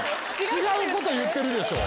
違う事言ってるでしょ。